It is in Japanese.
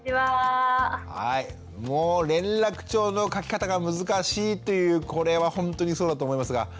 もう連絡帳の書き方が難しいというこれはほんとにそうだと思いますが。